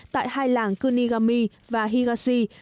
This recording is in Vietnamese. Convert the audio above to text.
tại hai làng kunigami và higashi